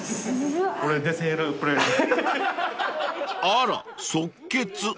［あら即決］